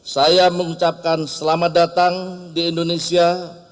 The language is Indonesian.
saya mengucapkan selamat datang di indonesia